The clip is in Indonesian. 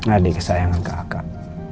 adik kesayangan kakak